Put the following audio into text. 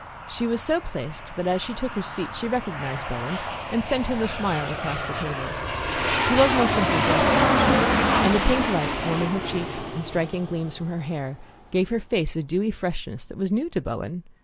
She was so placed that as she took her seat she recognized Bowen and sent him a smile across the tables. She was more simply dressed than usual, and the pink lights, warming her cheeks and striking gleams from her hair, gave her face a dewy freshness that was new to Bowen.